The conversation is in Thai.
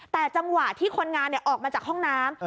แต่จังหวะที่คนงานออกมาจากห้องน้ำ